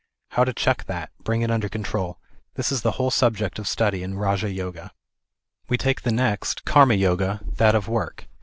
How to check that, bring it under control, this is the whole of subject of study in Raja Yoga. We take the next, Karma Yoga, that of work.